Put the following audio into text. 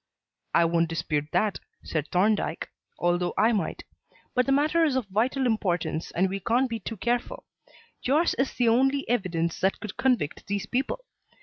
"I won't dispute that," said Thorndyke, "although I might. But the matter is of vital importance and we can't be too careful. Yours is the only evidence that could convict these people.